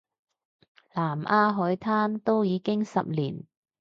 南丫海難都已經十年